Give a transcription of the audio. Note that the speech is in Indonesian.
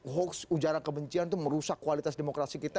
hoax ujaran kebencian itu merusak kualitas demokrasi kita